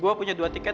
gue punya dua tiket